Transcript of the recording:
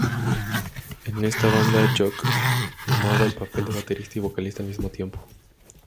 En esta banda, Jock tomaba el papel de baterista y vocalista al mismo tiempo.